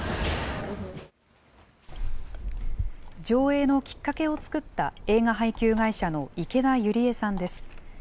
上映のきっかけを作った映画配給会社の池田祐里枝さんです。